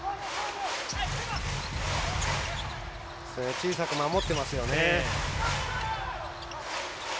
小さく守っていますよね。